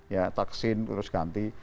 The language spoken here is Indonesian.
ya taksin terus ganti